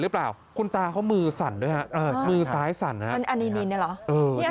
หรือเปล่าคุณตาเค้ามือสั่นด้วยมือซ้ายสั่นอันนี้นี่เนี่ยหรอ